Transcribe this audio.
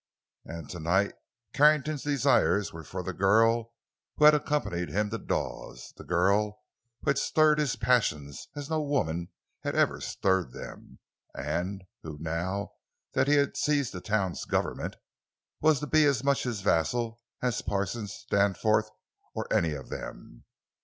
And tonight Carrington's desires were for the girl who had accompanied him to Dawes; the girl who had stirred his passions as no woman had ever stirred them, and who—now that he had seized the town's government—was to be as much his vassal as Parsons, Danforth—or any of them.